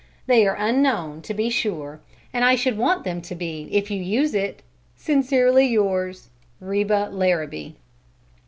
They are unknown, to be sure, and I should want them to be, if you use it! Sincerely yours, REBA LARRABEE.